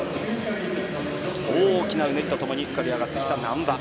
大きなうねりとともに浮かび上がってきた難波。